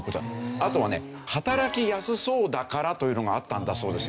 あとはね働きやすそうだからというのがあったんだそうです。